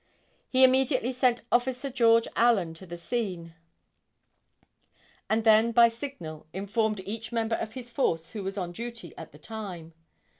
He immediately sent officer George Allen to the scene and then by signal informed each member of his force who was on duty at the time.